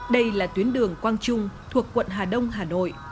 đây là tuyến đường quang trung thuộc quận hà đông hà nội